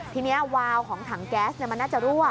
ทีนี้วาวของถังแก๊สมันน่าจะรั่ว